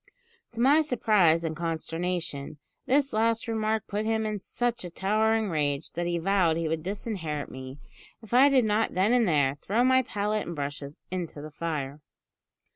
"To my surprise and consternation, this last remark put him in such a towering rage, that he vowed he would disinherit me, if I did not then and there throw my palette and brushes into the fire.